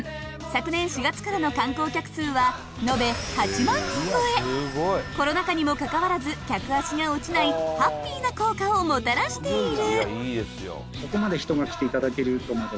昨年４月からの観光客数は延べコロナ禍にもかかわらず客足が落ちないハッピーな効果をもたらしている。